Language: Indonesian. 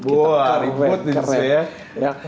wow reboot itu sih ya